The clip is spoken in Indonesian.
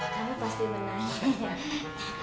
kamu pasti menang